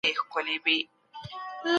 موږ باید په راکړه ورکړه کي افغانۍ وکاروو.